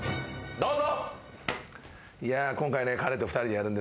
どうぞ！